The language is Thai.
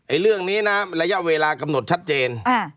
เรื่องนี้นะระยะเวลากำหนดชัดเจน